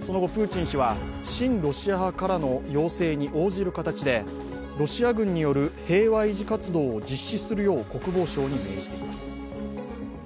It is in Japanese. その後、プーチン氏は親ロシア派からの要請に応じる形でロシア軍による平和維持活動を実施するよう国防省に命じています。